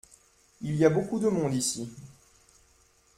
Il y a beaucoup de monde ici.